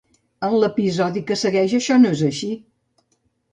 En l'episodi que segueix, això no és així.